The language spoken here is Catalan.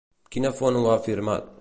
Quina font ho ha afirmat?